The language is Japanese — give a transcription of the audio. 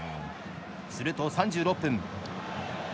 すると３６分。